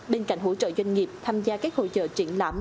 bên cạnh hỗ trợ doanh nghiệp tham gia các hỗ trợ triển lãm